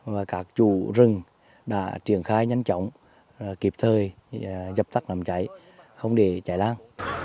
và các chủ rừng đã triển khai nhanh chóng kịp thời dập tắt nắm cháy không để cháy lang